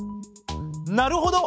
なるほど！